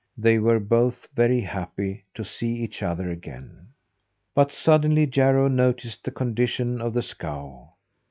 They were both very happy to see each other again. But suddenly Jarro noticed the condition of the scow.